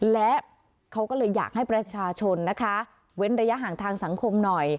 และเขาก็เลยอยากให้ประชาชนนะคะเว้นระยะห่างทางสังคมหน่อย